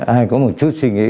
ai có một chút suy nghĩ